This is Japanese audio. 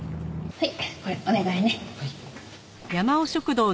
はい。